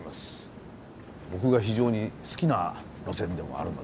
僕が非常に好きな路線でもあるので。